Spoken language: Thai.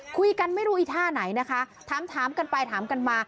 คุยกันไม่รู้อีท่าไหนนะคะถามกันไปถามกันมา